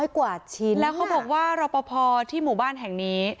กว่าชิ้นแล้วเขาบอกว่ารอปภที่หมู่บ้านแห่งนี้